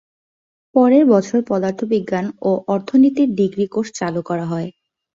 পরের বছর পদার্থবিজ্ঞান ও অর্থনীতিতে ডিগ্রি কোর্স চালু করা হয়।